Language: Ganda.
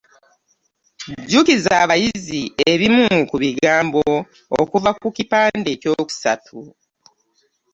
Jjukiza abayizi ebimu ku bigambo okuva ku kipande ekyokusatu.